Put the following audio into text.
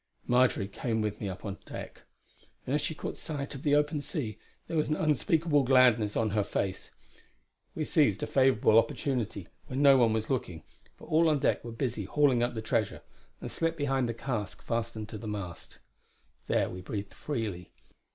Marjory came with me up on deck; and as she caught sight of the open sea there was an unspeakable gladness on her face. We seized a favourable opportunity, when no one was looking, for all on deck were busy hauling up the treasure; and slipped behind the cask fastened to the mast. There we breathed freely.